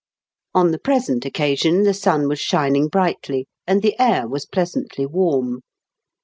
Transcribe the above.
On the present occasion the sun was shining brightly, and the air was pleasantly warm.